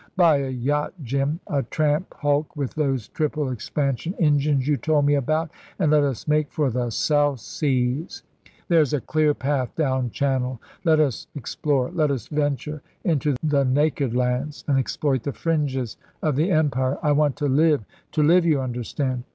Buy a yacht, Jim a tramp hulk with those triple expansion engines you told me about, and let us make for the South Seas. There's a clear path down Channel. Let us explore, let us venture into the Naked Lands and exploit the fringes of the empire. I want to live to live, you understand.